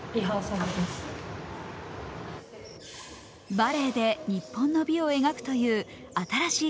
バレエで日本の美を描くという新しい